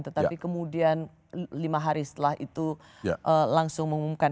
tetapi kemudian lima hari setelah itu langsung mengumumkan